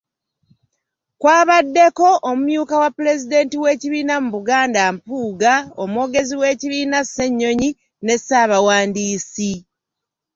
Kwabaddeko, omumyuka wa Pulezidenti w’ekibiina mu Buganda Mpuuga, Omwogezi w’ekibiina Ssenyonyi ne Ssaabawandiisi.